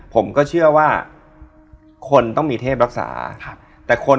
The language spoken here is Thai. ผมว่าอันนี้หนัก